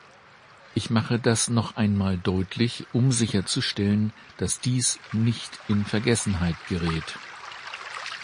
Ich mache das noch einmal deutlich, um sicherzustellen, dass dies nicht in Vergessenheit gerät.